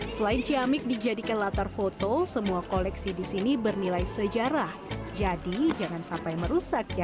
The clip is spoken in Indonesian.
selain ciamik dijadikan latar foto semua koleksi di sini bernilai sejarah jadi jangan sampai merusak ya